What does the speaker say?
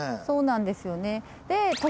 そうなんですよね